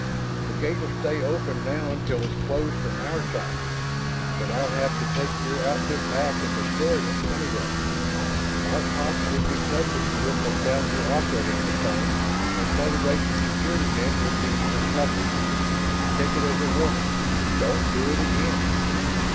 "The gate'll stay open now until it's closed from our side but I'll have to take your outfit back and destroy it, anyway. Our cops would be tough with you if they found you operating the thing, and Federation Securitymen would be even tougher. Take it as a warning: don't do it again."